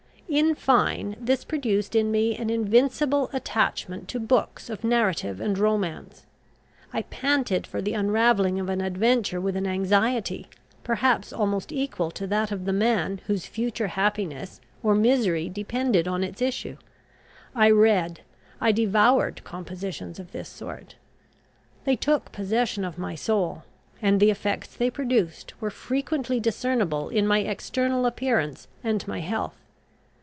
In fine, this produced in me an invincible attachment to books of narrative and romance. I panted for the unravelling of an adventure with an anxiety, perhaps almost equal to that of the man whose future happiness or misery depended on its issue. I read, I devoured compositions of this sort. They took possession of my soul; and the effects they produced were frequently discernible in my external appearance and my health.